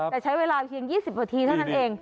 แต่ใช้เวลาเพียง๒๐นาทีเท่านั้นเอง